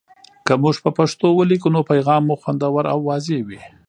که موږ په پښتو ولیکو، نو پیغام مو خوندور او واضح وي.